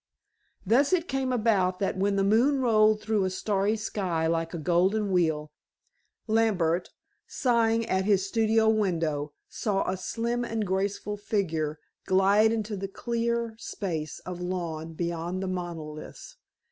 Thus it came about that when the moon rolled through a starry sky like a golden wheel, Lambert, sighing at his studio window, saw a slim and graceful figure glide into the clear space of lawn beyond the monoliths.